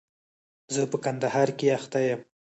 زه په کندهار کښي اخته يم.